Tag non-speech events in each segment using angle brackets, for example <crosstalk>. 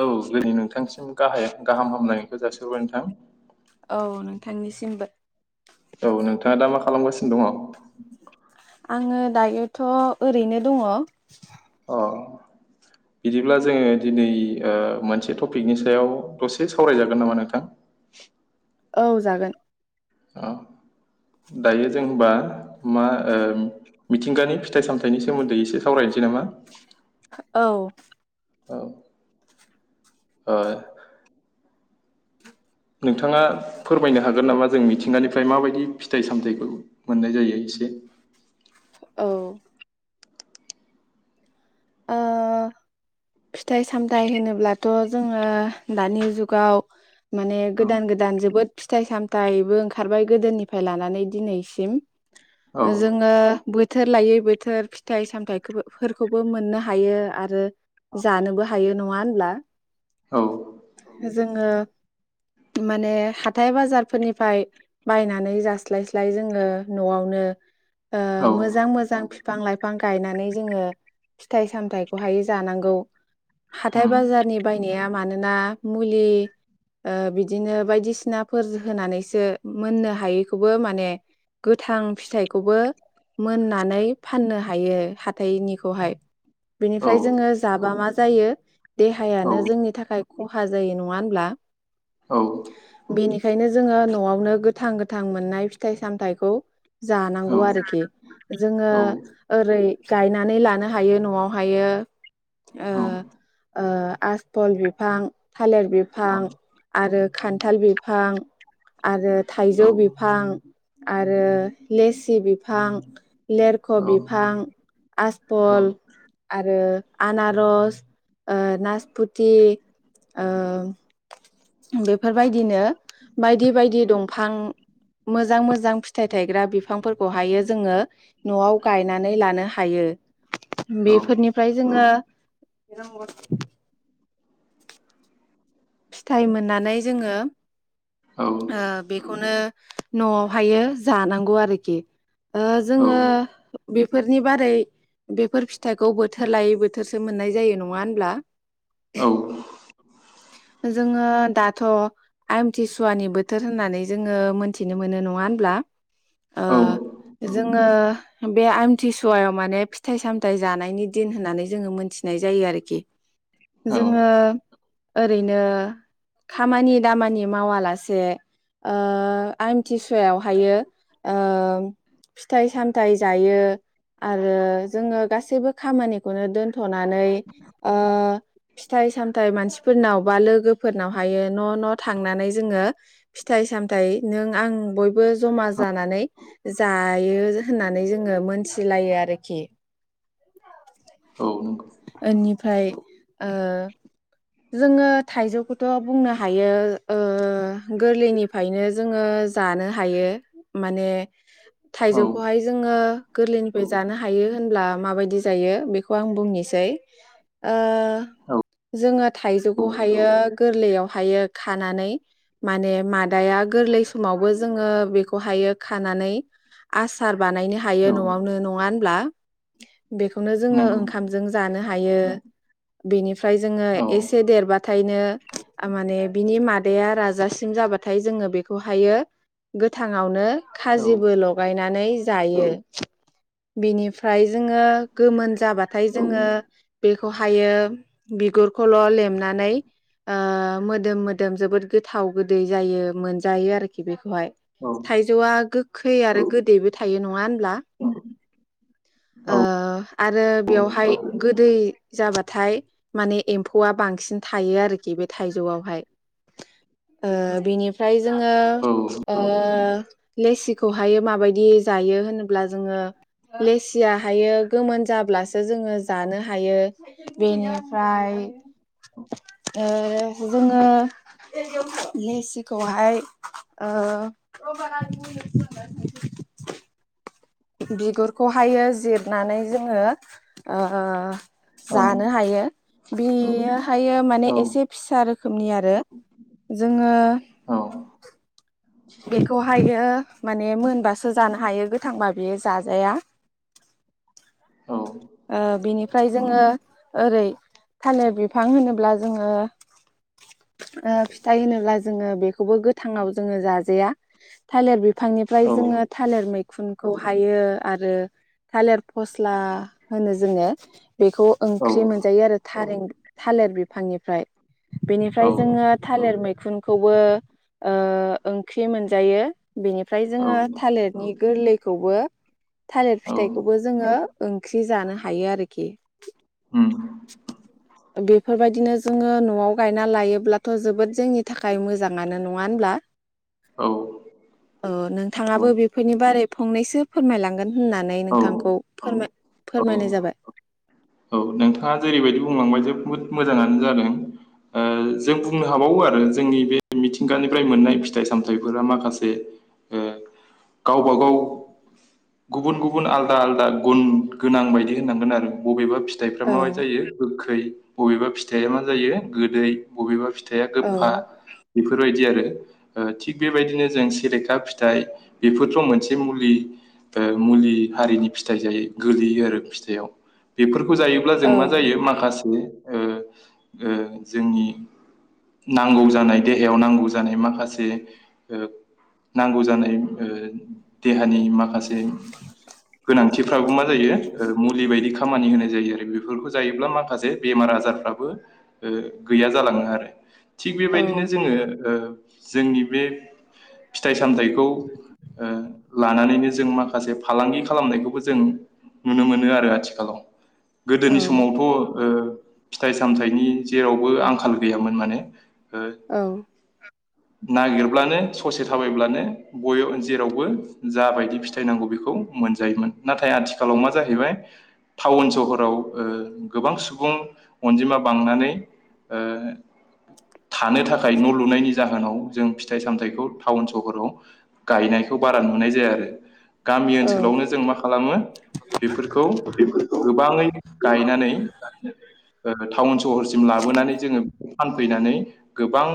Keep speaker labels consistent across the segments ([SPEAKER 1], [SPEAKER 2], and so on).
[SPEAKER 1] औ दिनै नोंथांसिम गाहाय गाहाम हामलायनायखो जासिहरबाय नोंथां ।
[SPEAKER 2] औ नोंथांनिसिमबो
[SPEAKER 1] औ नोंथाङा दा मा खालामगासिनो दङ'?
[SPEAKER 2] आङो दायोथ' ओरैनो दङ ।
[SPEAKER 1] अह बिदिब्ला जोङो दिनै ओ मोनसे टपिकनि सायाव दसे सावरायजागोन नामा नोंथां?
[SPEAKER 2] औ जागोन
[SPEAKER 1] औ दायो जों होमबा मा ओ मिथिंगानि फिथाइ सामथायाइनि सोमोन्दै एसे खावरायनोसै नामा?
[SPEAKER 2] औ
[SPEAKER 1] औ ओ नोंथ थाङा फोरमायनो हागोन नामा? जों मिथिंगानिफ्राय माबायदि फिथाइ सामथाइखौ मोननाय जायो एसे
[SPEAKER 2] औ ओ फिथाइ सामथाइ होनोब्लाथ' जोङो दानि जुगाव माने
[SPEAKER 1] औ
[SPEAKER 2] गोदान गोदान जोबोद फिथाइ सामथाइबो ओंखारबाय गोदोनिफाय लानानै दिनैसिम
[SPEAKER 1] औ
[SPEAKER 2] ओ जोङो बुय थोर लायै बोथोर फिथाइ सामथाइखौबो फोरखौबो मोननो हायो आरो जानोबो हायो नङा होनब्ला
[SPEAKER 1] औ
[SPEAKER 2] जोङो माने हाथाय बाजारफोरनिफ्राय बायनानै जास्लायस्लाय जोङो न'आवनो ओ मोजां मोजां फि फां लाइफां गायनानै जोङो फिथाइ सामथायखौहाय जानांगौ। हाथाय
[SPEAKER 1] उम
[SPEAKER 2] बाजारनि बायनाया मानोना मुलि ओ बिदिनो बायदिसिनाफोर होनानैसो मोननो हायैखौबो माने गोथां फिथाइखौबो मोननानै फाननो हायो हाथाइनिखौहाय।
[SPEAKER 1] औ
[SPEAKER 2] बेनिफ्राय जोङो जाबा मा जायो?
[SPEAKER 1] औ
[SPEAKER 2] देहायानो जोंनि थाखाय खहा जायो नङा होनब्ला?
[SPEAKER 1] औ
[SPEAKER 2] बेनिखायनो जोङो न'आवनो गोथां गोथां मोननाय फिथाइ सामथायाइखौ जानांगौ
[SPEAKER 1] औ
[SPEAKER 2] आरखि। जोङो
[SPEAKER 1] औ
[SPEAKER 2] ओरै गायनानै लानो हायो न'आवहायो ओ
[SPEAKER 1] औ
[SPEAKER 2] ओ आसफल बिफां थालिर बिफां आरो खान्थाल बिफां आरो
[SPEAKER 1] औ
[SPEAKER 2] थाइजौ बिफां आरो लेसि बिफां लेरख'
[SPEAKER 1] औ
[SPEAKER 2] बिफां आस पल आरो आनारस ओ नासपुथि ओ बेफोरबायदिनो बायदि बायदि दंफां मोजां मोजां फिथाइ थायग्रा बिफांफोरखौहायो जोङो न'आव गायनानै लानो हायो। बेफोरनिफ्राय जोङो रोंगौ फिथाइ मोननानै जोङो
[SPEAKER 1] औ
[SPEAKER 2] ओ बेखौनो न'आवहायो जानांगौ आरोखि। ओ जोङो बेफोरनि बारै बेफोर फिथाइखौ बोथोर लायै बोथोरसो मोननाय जायो नङा होनब्ला?
[SPEAKER 1] औ
[SPEAKER 2] जोङो दाथ' आमथिसुवानि बोथोर होननानै जोङो मोनथिनो मोनो नङा होनब्ला? ओ जोङो बे आमथिसुवायाव माने फिथाइ सामथाय जानायनि दिन होननानै जोङो मोनथिनाय जायो आरोखि। जोङो ओरै नो खामानि दामानि मावालासे ओ आमथि सुवायावहायो ओ फिथाइ सामथाय जायो। आरो जोङो गासैबो खामानिखौनो दोनथ'नानै ओ फिथाइ सामथाय मानसिफोरनाव बा लोगोफोरनाव हायो न' न' थांनानै जोङो फिथाइ सामथाय नों आं बयबो ज'मा जानानै जायो होननानै जोङो मोनथिलायो आरोखि।
[SPEAKER 1] औ नंगौ।
[SPEAKER 2] ओमफ्राय ओ जोङो थाइजौखौथ' बुंनो हायो ओ गोरलैनिफ्रायनो जोङो जानो हायो माने थाइजौखौहाय जोङो गोरलैनिफ्राय जानो हायो होनब्ला माबायदि जायो बेखौ आं बुनि इसे ओ जोङो <inaudible> थाइजौखौ हायो गोरलैयाव हाययो खानानै माने मादाया गोरलै समावबो जोंङो बेखौहायो खानानै आसार बानायनो हायो
[SPEAKER 1] औ
[SPEAKER 2] नआवनो नङा ब्ला <inaudible> बेखौनो जोंङो
[SPEAKER 1] नंगौ
[SPEAKER 2] ओंखाम जानो हायो बिनिफ्राय जोंङो
[SPEAKER 1] औ
[SPEAKER 2] एसे देरबाथायनो माने बिनि मादाया राजासिम जाबाथाय जोंङो बेखौहाययो गोथाङावनो
[SPEAKER 1] औ
[SPEAKER 2] खाजिबो लगायनानै जायो बिनिफ्राय जोंङो गोमोन जाबा थाय जोंङो बेखौहाययो बिगुरखौल लेमनानै ओ मोदोम मोदोम जोबोद गोथाव गोदै जायो मोनजायो आरोखि बेखौहाय
[SPEAKER 1] नंगौ
[SPEAKER 2] थाइजौआ गो खै आरो गोदैबो थायो नङा होनब्ला
[SPEAKER 1] औ
[SPEAKER 2] ओ आरो बेयावहाय गोदै जाबाथाय माने एम्फौआ बांसिन थायो आरोखि बे थाइजौआवहाय ओ बिनिफ्राय जोंङो
[SPEAKER 1] औ
[SPEAKER 2] ओ लेसिखौहाय माबायदि जायो होनोब्ला जोंङो लेसि जिया हाययो गोमोन जाब्लासो जोंङो जानो हायो बेनिफ्राय ओ जोंङो लेसिखौहाय ओ बिगुरखौहाययो जिरनानै जोंङो ओ जानो हायो बेयोहाययो
[SPEAKER 1] औ औ
[SPEAKER 2] माने एसे फिसा आरो रोखोमनि आरो जोंङो बेखौहाययो माने मोनबासो जानो हायो गोथांबा बेयो जाजाया ओ बिनिफ्राय जोंङो ओरै थालिर बिफां होनोब्ला जोंङो ओ फिथाइ होनोब्ला जोंङो बेखौबो गोथाङाव जोंङो जाज जाया थालिर बि बिफांनिफ्राय जोंङो थालिर मै खुनखौ हाययो आरो थालिर फस्ला होनो जोंङो बेखौ ओंख्रि मोनजायो आरो थारें थालिर बिफांनिफ्राय बेनिफ्राय जोंङो थालिर मैखुनखौबो ओ ओंख्रि मोनजायो बेनिफ्राय जोंङो थालिरनि गोरलैखौबो थालिर फिथाइखौबो जोंङो ओंख्रि जानो हायो आरोखि
[SPEAKER 1] उम
[SPEAKER 2] बेफोरबायदिनो जोंङो नआव गायना लायोब्लाथ जोबोद जोंनि थाखाय मोजाङानो नङा होनब्ला औ नोंथाङाबो बेफोरनि बारै फंनैसो फोरमायलांगोन होननानै
[SPEAKER 1] औ
[SPEAKER 2] नोंथांखौ फोरमाय
[SPEAKER 1] औ औ
[SPEAKER 2] फोरमायनाय जाबाय
[SPEAKER 1] औ नोंथाङा जेरैबायदि बुंलांबाय जोबोद मोजाङानो जादों ओ जों बुंनो हाबावो आरो जोंनि बे मिथिंगानिफ्राय मोननाय फिथाइ सामथाइफोरा माखासे ओ गावबागाव गुबुन गुबुन आलदा आलदा गुन गोनां बायदि होननांगोन आरो बबेबा फि फिथाइफ्रा
[SPEAKER 2] औ
[SPEAKER 1] माबायदि जायो गोखै बबेबा फिथाइया मा जायो गोदै बबेबा फि फिथाइआ
[SPEAKER 2] औ
[SPEAKER 1] गोफा बेफोर बेफोरबायदि आरो थिग बेबायदिनो जों सेलेखा फिथाइ बेफोरथ मोनसे मुलि ओ मुलि हारिनि फिथाइ जायो गोलैयो आरो फिथाइयाव बोफोर बेखौ जायोब्ला जों
[SPEAKER 2] औ
[SPEAKER 1] मा जायो माखासे ओ ओ जोंनि नां नांगौ जानाय देहायाव नांगौ जानाय माखासे ए ओ नांगौ जानाय ओ देहा नि माखासे गोनांथिफ्राबो मा जायो ओ मुलि बायदि खामानि होनाय। होयो आरो बेफोरखौ जायोब्ला माखासे बेमार आजारफ्राबो ओ गैया जालाङो आरो थिग
[SPEAKER 2] औ
[SPEAKER 1] बेबायदिनो जोङो ओ जोंनि बे फिथाइ सामथायाइखौ ओ लानानैनो जों माखासे फालांगि खालामनायखौबो जों नुनो मोनो आरो आथिखालाव।
[SPEAKER 2] औ
[SPEAKER 1] गोदोनि समावथ' ओ फिथाइ सामथाइनि जेरावबो आंखाल गैयामोन माने। ओ
[SPEAKER 2] औ।
[SPEAKER 1] नागिरब्लानो ससे थाबायब्लानो बयबो जेरावबो जाबायदि फिथाइ नांगौ बेखौ मोनजायोमोन नाथाय आथिखालाव मा जाहैबाय टाउन सहर फोराव ओ गोबां सुबुं अनजिमा बांनानै ओ थानो थाखाय न' लुनायनि जाहोनाव जों फिथाइ सामथायाइखौ टाउन सहराव गायनायखौ बारा नुनाय जाया आरो गामि
[SPEAKER 2] औ
[SPEAKER 1] ओनसोलावनो जों मा खालामो बेफोरखौ गोबाङै। गायनानै ओ टाउन सहरसिम लाबोनानै जोङो फैनानै गोबां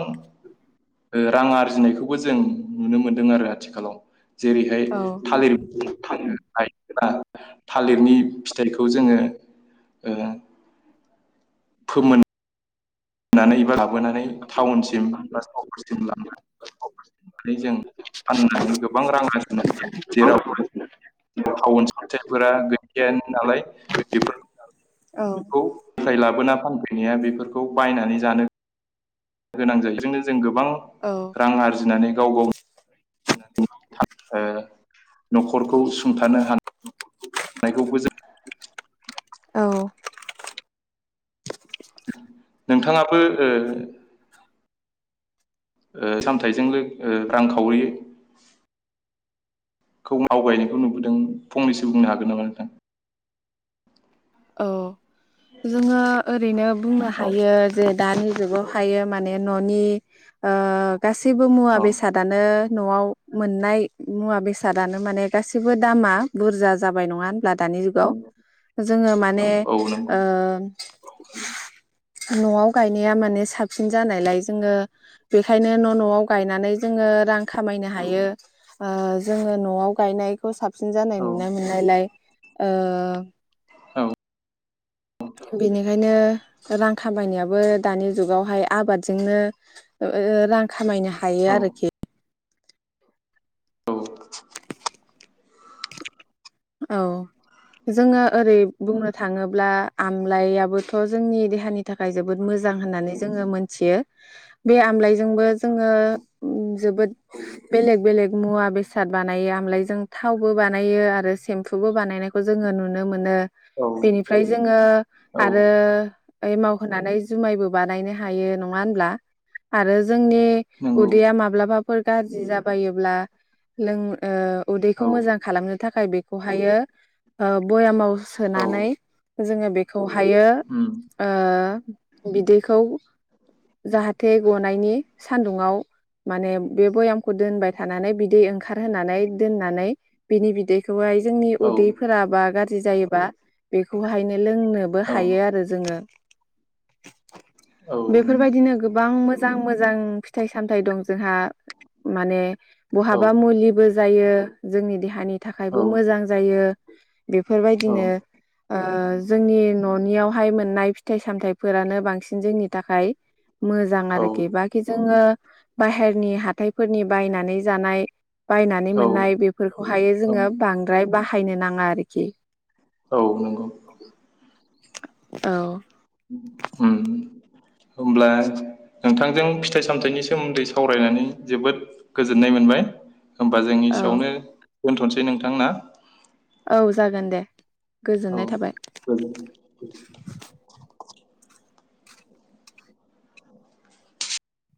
[SPEAKER 1] ओ रां आरजिनायखौबो जों नुनो मोनदों आरो आथिखालाव। जेरैहाय थालिर जोङो गायोब्ला थालिरनि फिथाइखौ जोङो ओ फोमोन नानै बा लाबोनानै टाउनसिम बा साव्रिसिम लांनानै जों फाननानै गोबां रां आरजिनो हायो जेराव थाउन सहरफोरा गैखायानो नालाय बेफोर
[SPEAKER 2] औ
[SPEAKER 1] खौ फोथाय लाबोना फानफैनाया बेफोरखौ बायनानै जानो गोनां जायो बेजोंनो जों गोब गोबां रां आरजिनानै गाव गाव थाब ओ <inaudible> न'खरखौ सुंथानो हानाय नायखौबो जों
[SPEAKER 2] औ
[SPEAKER 1] <inaudible> नोंथाङाबो ओ ओ सामथायाइजों लो ओ रांखावरि खौ आवगायनायखौ नुबोदों फंनैसो बुंनो हागोन नामा नोंथां?
[SPEAKER 2] औ जोङो ओरैनो बुंनो
[SPEAKER 1] औ
[SPEAKER 2] हायो जे दानि- नोबो हायो माने न'नि ओ गासैबो मुवा
[SPEAKER 1] औ
[SPEAKER 2] बेसादानो न'आव मोननाय मुवा बेसादानो माने गासिबो दामा बुरजा जाबाय नङा होन ब्ला दानि
[SPEAKER 1] औ
[SPEAKER 2] जुगाव ज जोङो माने
[SPEAKER 1] औ
[SPEAKER 2] ओ।
[SPEAKER 1] नंगौ
[SPEAKER 2] न'आव गायनाया माने साबसिन जानायलाय जोङो बेखायनो न' न'आव गायनानै जोङो रां खामायनो हायो। ओ जोङो न'आव गायनायखौ साब सिन जानाय
[SPEAKER 1] औ
[SPEAKER 2] नुनाय मोननायलाय ओ
[SPEAKER 1] औ।
[SPEAKER 2] बेनिखायनो रां खामायनायाबो दानि जुगावहाय आबादजोंनो ओ रां खा खामायनो हायो
[SPEAKER 1] औ
[SPEAKER 2] आरोखि
[SPEAKER 1] औ।
[SPEAKER 2] औ जोङो ओरै बुंनो थाङोब्ला आमलायाबोथ' जोंनि देहानि थाखाय जोबोद मोजां होननानै जोङो मोनथियो। बे आमलायजोंबो जोङो जोबोद बेलेग बेलेग मुवा बेसाद बानायो। आमलायजों थावबो बानायो आरो सेम्फुबो बानायनायखौ जोङो नुनो मोनो।
[SPEAKER 1] औ
[SPEAKER 2] बेनिफ्राय जोङो
[SPEAKER 1] औ
[SPEAKER 2] आरो ओइमाव होनानै जुमायबो बानायनो हायो नङा होनब्ला? आरो ज जोंनि
[SPEAKER 1] नंगौ
[SPEAKER 2] उदैया माब्लाबा फोर गाज्रि जाबायोब्ला लों ओ उदैखौ
[SPEAKER 1] औ
[SPEAKER 2] मोजां खालामनो थाखाय बे खौहायो ओ बयामाव
[SPEAKER 1] औ
[SPEAKER 2] सोनानै जोङो बेख खौहायो
[SPEAKER 1] उम
[SPEAKER 2] ओ बिदैखौ जाहाथे गनायनि सान्दुङाव माने बे बयामखौ दोनबाय थानानै बिदै ओंखारहानै दोननानै बिनि बिदै खौहाय जोंनि
[SPEAKER 1] औ
[SPEAKER 2] उदैफोरा बा गार जि जायोबा बेखौहायनो लोंनोबो
[SPEAKER 1] औ नंगौ
[SPEAKER 2] हायो आरो जोङो।
[SPEAKER 1] औ
[SPEAKER 2] बेफोरबायदिनो गोबां मो जां मोजां फिथाइ सामथाइ दं जोंहा माने
[SPEAKER 1] औ
[SPEAKER 2] बहाबा मुलिबो जायो जोंनि देहानि थाखायबो मोजां जायो। बेफोरबायदिनो ओ जोंनि ननियाव। बेहाय मोननाय फिथाइ सामथायाइफोरानो बांसिन जोंनि थाखाय। मोजां आरोखि बाखि जोंङो बाहेरनि हाथाय फोरनि बायनानै जानाय बायनानै
[SPEAKER 1] औ
[SPEAKER 2] मोननाय बेफोरखौहायो जोंङो बांद्राय बाहायनो नाङा आरोखि।
[SPEAKER 1] औ नंगौ।
[SPEAKER 2] औ।
[SPEAKER 1] ओम होनब्ला नोंथांजों फिथाइ सामथायाइनि सोमोन्दै सावरायनानै जोबोद गोजोननाय मोनबाय। होमबा जोंनि
[SPEAKER 2] औ
[SPEAKER 1] एसेयावनो दोनथसै नोंथां ना?
[SPEAKER 2] औ जागोन दे।
[SPEAKER 1] औ
[SPEAKER 2] गोजोननाय थाबाय।
[SPEAKER 1] गोजोन